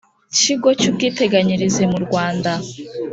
kigo cy ubwiteganyirize mu Rwanda